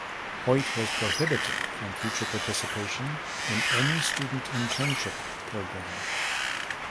Hoyt was prohibited from future participation in any student internship program.